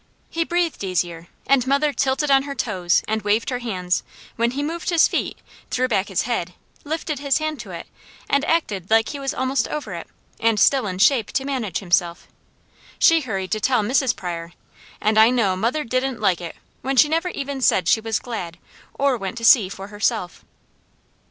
He breathed easier, and mother tilted on her toes and waved her hands, when he moved his feet, threw back his head, lifted his hand to it, and acted like he was almost over it, and still in shape to manage himself. She hurried to tell Mrs. Pryor, and I know mother didn't like it when she never even said she was glad, or went to see for herself.